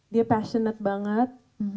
dia passionate banget